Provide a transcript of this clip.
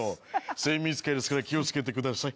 精密機械ですから気をつけてください。